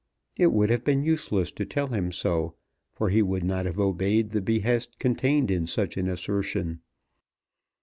It would have been useless to tell him so, for he would not have obeyed the behest contained in such an assertion.